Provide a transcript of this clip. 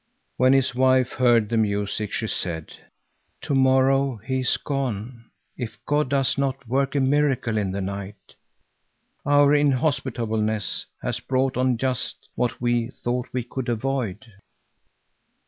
When his wife heard the music, she said: "Tomorrow he is gone, if God does not work a miracle in the night. Our inhospitableness has brought on just what we thought we could avoid."